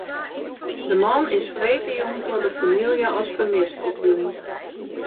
De man is freedtejûn troch de famylje as fermist opjûn.